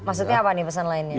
maksudnya apa nih pesan lainnya